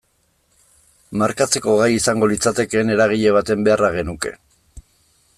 Markatzeko gai izango litzatekeen eragile baten beharra genuke.